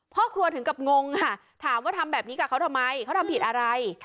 พ่อครัวถึงกับงงค่ะถามว่าทำแบบนี้กับเขาทำไมเขาทำผิดอะไร